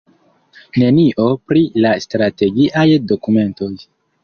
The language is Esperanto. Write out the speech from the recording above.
Nenio pri la strategiaj dokumentoj.